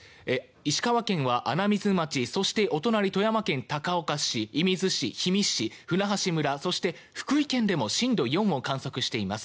石川県は穴水町そしてお隣、高岡市射水市、氷見市そして、福井県でも震度４を観測しています。